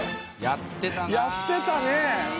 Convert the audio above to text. やってたね。